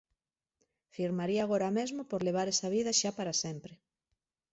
Firmaría agora mesmo por levar esa vida xa para sempre.